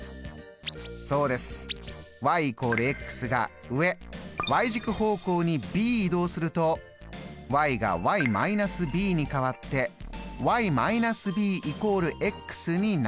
そうです。＝が上軸方向にｂ移動するとが−ｂに変わって−ｂ＝になる。